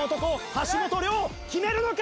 橋本涼決めるのか？